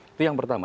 itu yang pertama